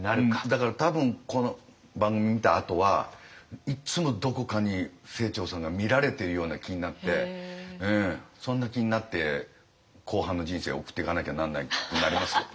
だから多分この番組見たあとはいっつもどこかに清張さんが見られてるような気になってそんな気になって後半の人生送ってかなきゃなんなくなりますよ。